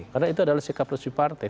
karena itu adalah sikap resipi partai